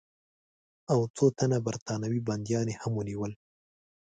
او څو تنه برټانوي بندیان یې هم ونیول.